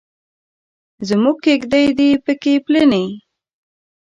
زموږ کیږدۍ دې پکې پلنې.